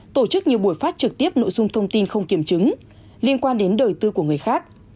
tổ chức nhiều buổi phát trực tiếp nội dung thông tin không kiểm chứng liên quan đến đời tư của người khác